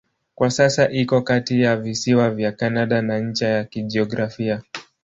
Kwa sasa iko kati ya visiwa vya Kanada na ncha ya kijiografia.